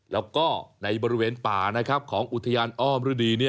แล้วก็ในบริเวณป่าของอุทยานอ้อมฤดี